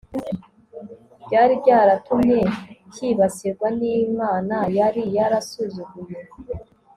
byari byaratumye cyibasirwa nImana yari yarasuzuguye